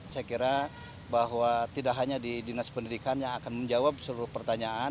saya kira bahwa tidak hanya di dinas pendidikan yang akan menjawab seluruh pertanyaan